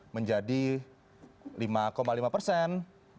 menjadi lima lima persen